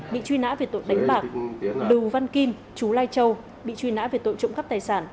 bị truy nã về tội đánh bạc đù văn kim chú lai châu bị truy nã về tội trộm cắp tài sản